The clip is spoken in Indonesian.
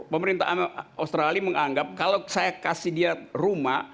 pemerintah australia menganggap kalau saya kasih dia rumah